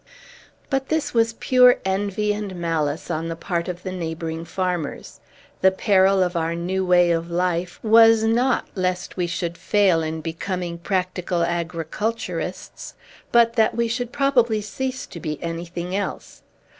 But this was pure envy and malice on the part of the neighboring farmers. The peril of our new way of life was not lest we should fail in becoming practical agriculturists, but that we should probably cease to be anything else.